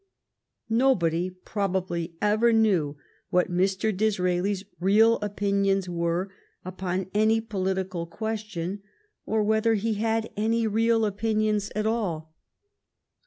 Nobody prob ably ever knew what Mr. Disraeli's real opinions were upon any political question, or whether he had any real opinions at all.